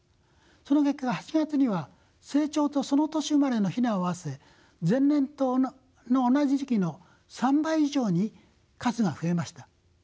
その結果８月には成鳥とその年生まれの雛を合わせ前年の同じ時期の３倍以上に数が増えました。